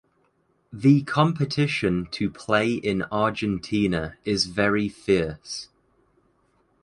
The competition to play in Argentina is very fierce.